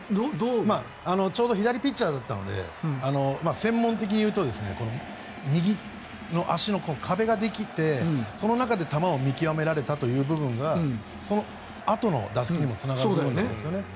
ちょうど左ピッチャーだったので専門的に言うと右の足の壁ができてその中で球を見極められたという部分がそのあとの打席にもつながったんだと思うんですね。